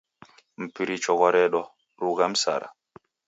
Mpiricho ghwaredwa, rugha msara.